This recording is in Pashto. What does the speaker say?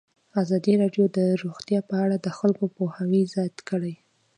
ازادي راډیو د روغتیا په اړه د خلکو پوهاوی زیات کړی.